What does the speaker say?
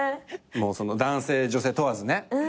男性女性問わずね。